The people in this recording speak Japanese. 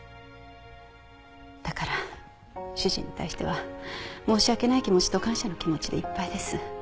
だから主人に対しては申し訳ない気持ちと感謝の気持ちでいっぱいです。